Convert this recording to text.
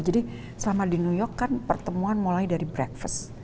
jadi selama di new york kan pertemuan mulai dari breakfast